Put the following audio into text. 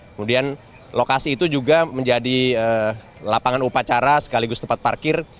kemudian lokasi itu juga menjadi lapangan upacara sekaligus tempat parkir